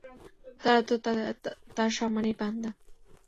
তারা তো তাঁর সম্মানিত বান্দা।